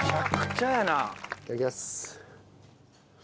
いただきます。